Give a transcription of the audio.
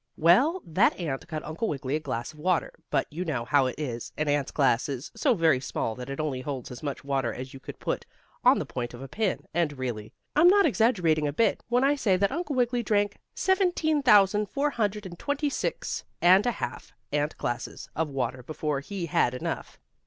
Well, that ant got Uncle Wiggily a glass of water, but you know how it is an ant's glass is so very small that it only holds as much water as you could put on the point of a pin, and really, I'm not exaggerating a bit, when I say that Uncle Wiggily drank seventeen thousand four hundred and twenty six and a half ant glasses of water before he had enough.